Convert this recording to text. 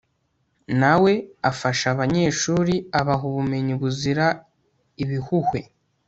nawe afasha abanyeshuri abaha ubumenyi buzira ibihuhwe